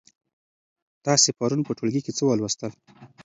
تاسې پرون په ټولګي کې څه ولوستل؟